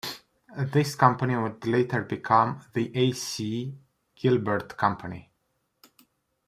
This company would later become the A. C. Gilbert Company.